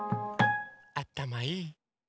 あたまいい！